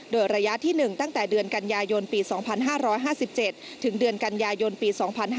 โดยระยะที่๑ตั้งแต่เดือนกัญญาโยนปี๒๕๕๗๒๕๕๘